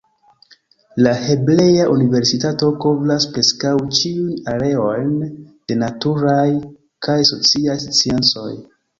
La Hebrea Universitato kovras preskaŭ ĉiujn areojn de naturaj kaj sociaj sciencoj.